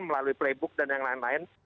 melalui playbook dan yang lain lain